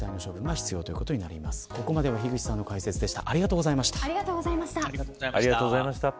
ここまでは樋口さんの解説でした。